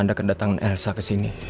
gak ada yang tau